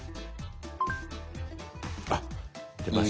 あっ出ました。